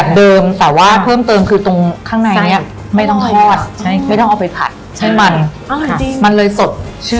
ขนมเบื้องตังค์